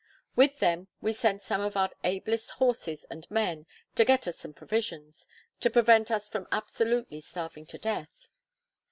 With them we sent some of our ablest horses and men, to get us some provisions, to prevent us from absolutely starving to death.